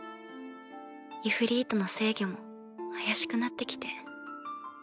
イフリートの制御も怪しくなって来て。